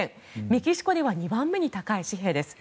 メキシコでは２番目に高い紙幣です。